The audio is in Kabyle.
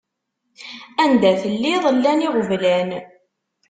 Anda telliḍ llan iɣeblan.